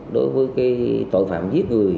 đối với cái tội phạm giết người